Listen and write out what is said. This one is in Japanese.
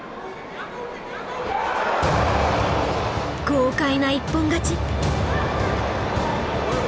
豪快な一本勝ち！